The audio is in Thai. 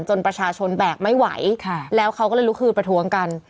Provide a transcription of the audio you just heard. ประชาชนแบกไม่ไหวแล้วเขาก็เลยลุกคืนประท้วงกัน